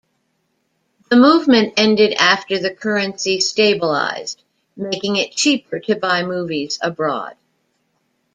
The movement ended after the currency stabilized, making it cheaper to buy movies abroad.